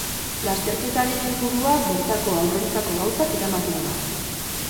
Lasterketaren helburua bertako haurrentzako gauzak eramatea da.